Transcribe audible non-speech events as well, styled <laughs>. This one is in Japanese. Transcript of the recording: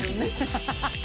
ハハハ <laughs>